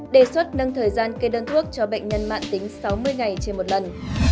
đề xuất nâng thời gian kê đơn thuốc cho bệnh nhân mạng tính sáu mươi ngày trên một lần